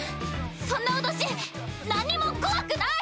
そんな脅し何も怖くない！